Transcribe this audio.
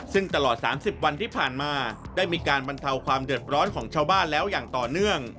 ซึ่งตลอด๓๐วันที่ผ่านมาได้มีการบรรเทาความเดือดร้อนของชาวบ้านแล้วอย่างต่อเนื่อง